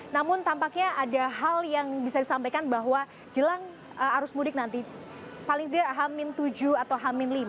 namun tampaknya ada hal yang bisa disampaikan bahwa jelang arus mudik nanti paling tidak h tujuh atau h lima